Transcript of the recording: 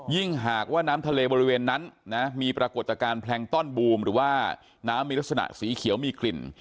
หากว่าน้ำทะเลบริเวณนั้นนะมีปรากฏการณ์แพลงต้อนบูมหรือว่าน้ำมีลักษณะสีเขียวมีกลิ่น